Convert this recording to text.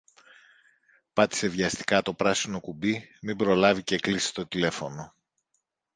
Πάτησε βιαστικά το πράσινο κουμπί μην προλάβει και κλείσει το τηλέφωνο